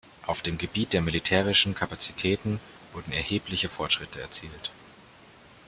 Auf dem Gebiet der militärischen Kapazitäten wurden erhebliche Fortschritte erzielt.